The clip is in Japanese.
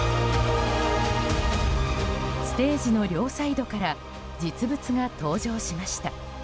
ステージの両サイドから実物が登場しました。